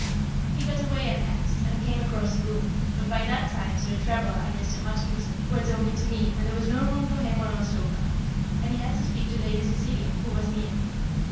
He got away at last, and came across the room, but by that time Sir Trevor and Mr. Hodgkinson were talking to me, and there was no room for him on our sofa, and he had to speak to Lady Cecilia, who was near.